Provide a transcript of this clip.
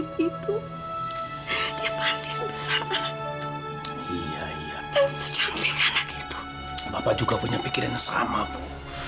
berdasar bapak lihat tadi bapak juga punya pikiran yang sama bu